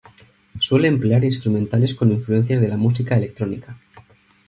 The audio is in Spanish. Suele emplear instrumentales con influencias de la música electrónica.